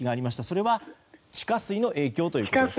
それは地下水の影響ということですね？